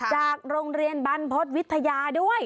จากโรงเรียนบรรพฤษวิทยาด้วย